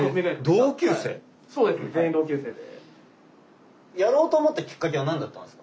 そうです全員同級生で。